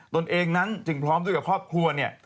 ตนเองนั้นจึงพร้อมด้วยกับครอบครัวเนี่ย